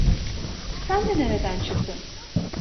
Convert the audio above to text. Sen de nereden çıktın?